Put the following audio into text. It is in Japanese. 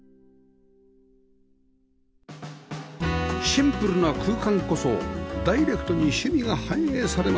シンプルな空間こそダイレクトに趣味が反映されます